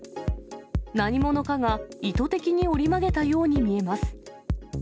何者かが意図的に折り曲げたように見えます。